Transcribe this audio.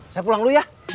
saya pulang dulu ya